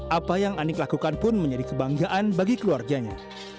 apa yang anik lakukan pun menjadi kebanggaan bagi keluarganya